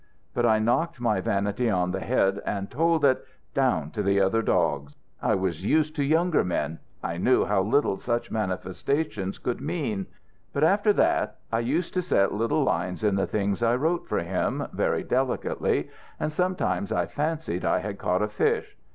But I knocked my vanity on the head and told it, 'Down to the other dogs.' I was used to young men; I knew how little such manifestations could mean. But after that I used to set little lines in the things I wrote for him, very delicately, and sometimes I fancied I had caught a fish.